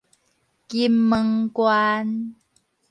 金門縣